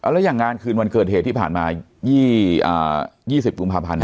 แล้วอย่างงานคืนวันเกิดเหตุที่ผ่านมา๒๐กุมภาพันธ์